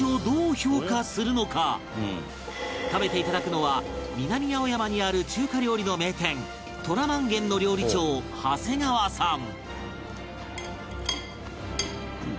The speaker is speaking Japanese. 食べていただくのは南青山にある中華料理の名店虎萬元の料理長長谷川さん